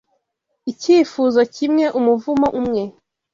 icyifuzo kimwe umuvumo umwe